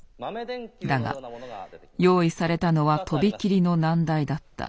だが用意されたのはとびきりの難題だった。